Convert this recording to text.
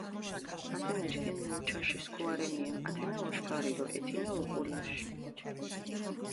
ათენა ჩქიმი უჩაში სქუა რენია, ათენა ოშქარი დო ეთინა უკულაში.